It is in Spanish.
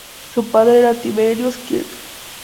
Su padre era "Tiberius Kirk".